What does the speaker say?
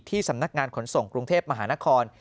สำนักงานขนส่งกรุงเทพมหานคร